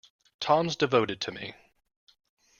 Tom's devoted to me.